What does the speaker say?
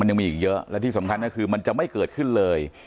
ยังมีอีกเยอะและที่สำคัญก็คือมันจะไม่เกิดขึ้นเลย